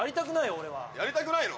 俺はやりたくないの？